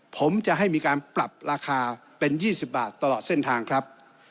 ผมจะให้มีการปรับราคาเป็น๒๐บาทตลอดเส้นทางครับ